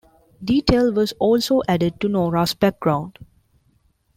Detail was also added to Nora's background.